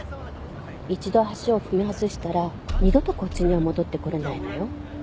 一度足を踏み外したら二度とこっちには戻ってこれないのよ